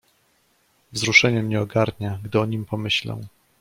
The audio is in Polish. "Wzruszenie mnie ogarnia, gdy o nim pomyślę."